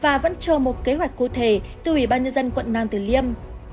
và vẫn cho một kế hoạch cụ thể từ ubnd quận nam tử liêm